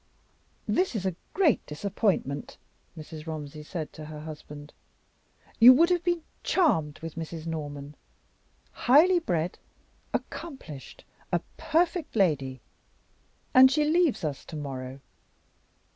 "This is a great disappointment," Mrs. Romsey said to her husband. "You would have been charmed with Mrs. Norman highly bred, accomplished, a perfect lady. And she leaves us to morrow.